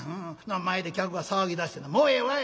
「前で客が騒ぎだしてな『もうええわい。